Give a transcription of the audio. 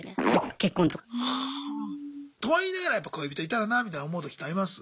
結婚とか。とは言いながらやっぱ恋人いたらなみたいに思う時ってあります？